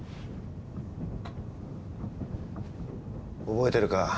覚えてるか？